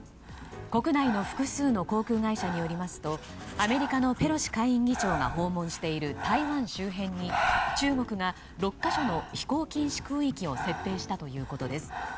国内の複数の航空会社によりますとアメリカのペロシ下院議長が訪問している台湾周辺に中国が６か所の飛行禁止空域を設定したということです。